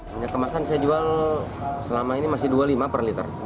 minyak kemasan saya jual selama ini masih rp dua puluh lima per liter